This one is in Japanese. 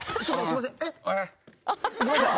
えっ？ごめんなさい。